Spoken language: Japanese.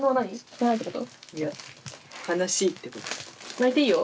泣いていいよ。